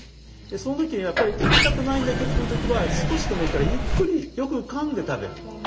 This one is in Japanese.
その時にやっぱり食べたくないんだけどっていう時は少しでもいいからゆっくりよくかんで食べる。